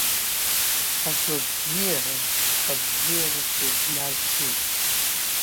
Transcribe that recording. Агәабзиара-ахабзиара шәызназгоит.